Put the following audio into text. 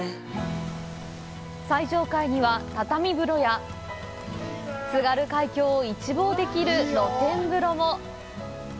最上階には、畳風呂や津軽海峡を一望できる露天風呂も。